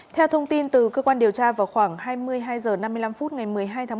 theo thông tin từ cơ quan điều tra vào khoảng hai mươi hai h năm mươi năm phút ngày một mươi hai tháng một mươi